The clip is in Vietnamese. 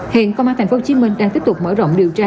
hiện công an tp hcm đang tiếp tục mở rộng điều tra